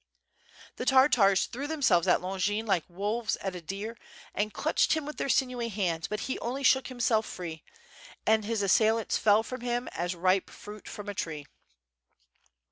The Tartars threw themselves at Longin like wolves at a deer, and clutched him with their sinewy hands; but he only shook himself, and his assailants fell from him as ripe fruit from a tree.